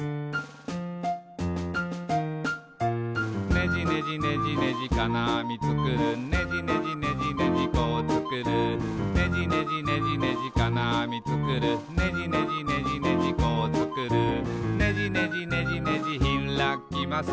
「ねじねじねじねじかなあみつくる」「ねじねじねじねじこうつくる」「ねじねじねじねじかなあみつくる」「ねじねじねじねじこうつくる」「ねじねじねじねじひらきます」